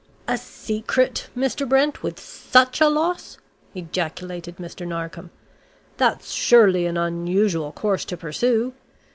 "A secret, Mr. Brent, with such a loss!" ejaculated Mr. Narkom. "That's surely an unusual course to pursue.